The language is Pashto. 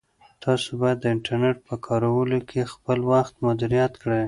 تاسو باید د انټرنیټ په کارولو کې خپل وخت مدیریت کړئ.